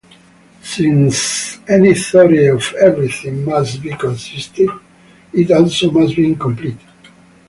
Since any 'theory of everything' must be consistent, it also must be incomplete.